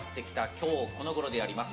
今日この頃であります。